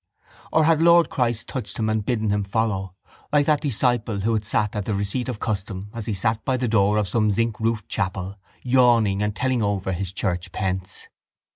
Or had Lord Christ touched him and bidden him follow, like that disciple who had sat at the receipt of custom, as he sat by the door of some zincroofed chapel, yawning and telling over his church pence?